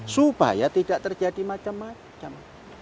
supaya tidak terjadi macam macam